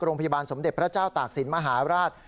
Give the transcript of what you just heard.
โรงพยาบาลสมเด็จพระเจ้าตากศิลป์มหาราช